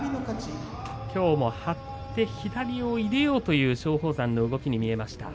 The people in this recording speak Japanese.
きょうも張って左を入れようという松鳳山の動きに見えました。